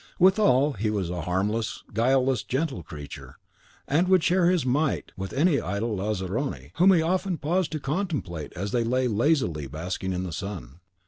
Withal, he was a harmless, guileless, gentle creature, and would share his mite with any idle lazzaroni, whom he often paused to contemplate as they lay lazily basking in the sun.